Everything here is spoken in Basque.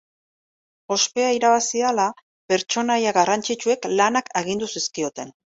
Ospea irabazi ahala, pertsonaia garrantzitsuek lanak agindu zizkioten.